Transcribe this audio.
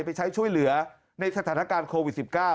ไปใช้ช่วยเหลือในสถานการณ์โควิด๑๙